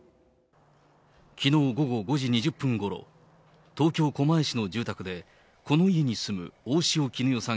きのう午後５時２０分ごろ、東京・狛江市の住宅で、この家に住む大塩衣与さん